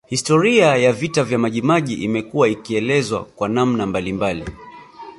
Historia ya vita ya Majimaji imekuwa ikielezwa kwa namna mbalimbali